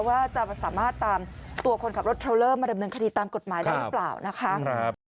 ว่าจะสามารถตามตัวคนขับรถเทรลเลอร์มาดำเนินคดีตามกฎหมายได้หรือเปล่านะคะ